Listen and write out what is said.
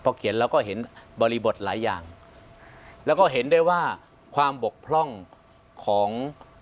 เขียนแล้วก็เห็นบริบทหลายอย่างแล้วก็เห็นได้ว่าความบกพร่องของ